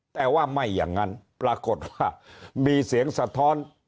แต่ว่าไม่อย่างนั้นปรากฏว่ามีเสียงสะท้อน